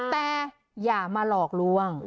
แต่อย่ามาหลอกล่วง